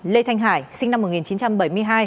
lê thanh hải sinh năm một nghìn chín trăm bảy mươi hai